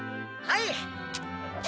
はい。